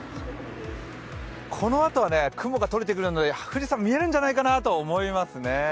このあとは雲が取れてくるので富士山、見えるんじゃないかと思いますね。